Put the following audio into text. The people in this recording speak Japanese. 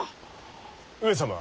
上様。